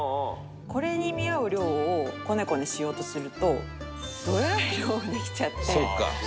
「これに見合う量をこねこねしようとするとどえらい量ができちゃって」